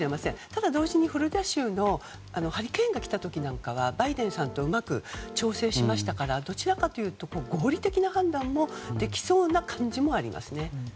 ただ、同時にフロリダ州のハリケーンが来た時なんかはバイデンさんとうまく調整したのでどちらかというと合理的な判断もできそうな感じもありますね。